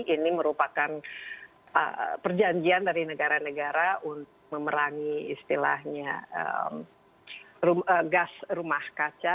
ini merupakan perjanjian dari negara negara untuk memerangi istilahnya gas rumah kaca